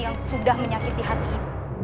yang sudah menyakiti hati